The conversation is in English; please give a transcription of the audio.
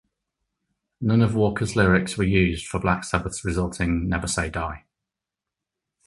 None of Walker's lyrics were used for Black Sabbath's resulting Never Say Die!